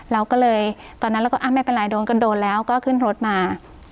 เราก็เลยตอนนั้นเราก็ไม่เป็นไรโดนกันโดนแล้วก็ขึ้นรถมา